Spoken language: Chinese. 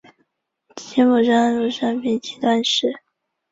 其母是安禄山平妻段氏。